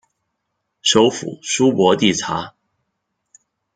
首府苏博蒂察。